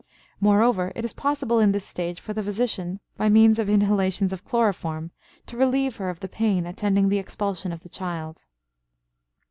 Moreover, it is possible in this stage for the physician, by means of inhalations of chloroform, to relieve her of the pain attending the expulsion of the child.